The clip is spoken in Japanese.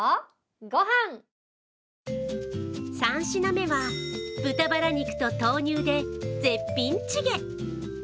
３品目は、豚バラ肉と豆乳で絶品チゲ。